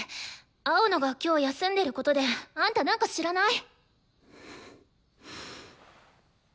青野が今日休んでることであんたなんか知らない？